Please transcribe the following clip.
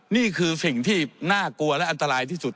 นี่คือสิ่งที่น่ากลัวและอันตรายที่สุด